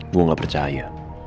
gue gak percaya